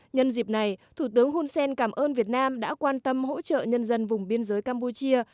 nhân dịp này thủ tướng hun sen cảm ơn việt nam đã quan tâm hỗ trợ nhân dân vùng biên giới campuchia